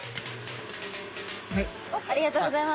はい。